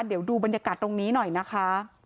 เดี๋ยวดูบรรยากาศตรงนี้หน่อยนะคะ